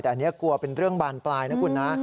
แต่อันนี้กลัวเป็นเรื่องบานปลายนะคุณนะ